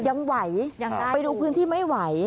ยังไหวไปดูพื้นที่ไม่ไหว